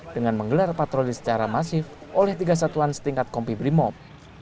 dengan menggelar patroli secara masif oleh tiga satuan setingkat kompi brimob